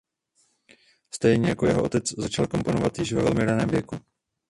Stejně jako jeho otec začal komponovat již ve velmi raném věku.